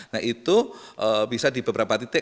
nah itu bisa di beberapa titik